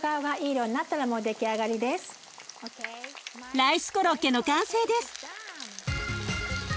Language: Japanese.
ライスコロッケの完成です！